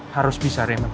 harus bisa raymond